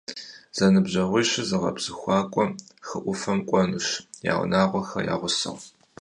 Зэныбжьэгъуищыр зыгъэпсэхуакӏуэ хы ӏуфэм кӏуэнущ, я унагъуэхэр я гъусэу.